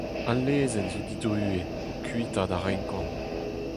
Al Lezenn zo didruez, ho kuitaat a renkan.